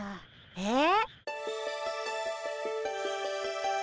えっ？